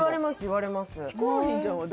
ヒコロヒーちゃんは誰？